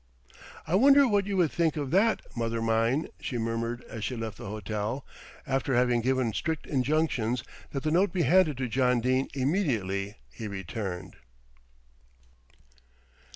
"I wonder what you would think of that, mother mine," she murmured as she left the hotel, after having given strict injunctions that the note be handed to John Dene immediately he returned.